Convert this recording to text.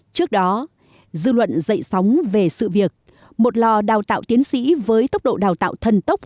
trước đó dư luận dậy sóng về sự việc một lò đào tạo tiến sĩ với tốc độ đào tạo thần tốc